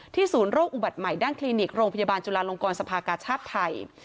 ศูนย์โรคอุบัติใหม่ด้านคลินิกโรงพยาบาลจุลาลงกรสภากาชาติไทย